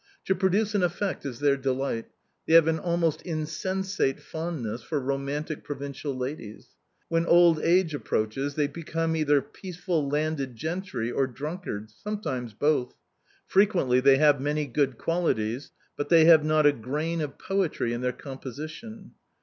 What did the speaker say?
To produce an effect is their delight; they have an almost insensate fondness for romantic provincial ladies. When old age approaches they become either peaceful landed gentry or drunkards sometimes both. Frequently they have many good qualities, but they have not a grain of poetry in their composition.